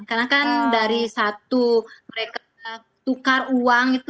karena kan dari satu mereka tukar uang